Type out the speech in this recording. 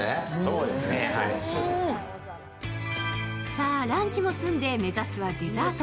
さあ、ランチも済んで目指すはデザート。